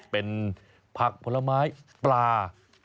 เป็นผักผลไม้ปลา